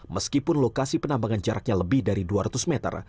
meskipun lokasi penambangan jaraknya lebih dari dua ratus meter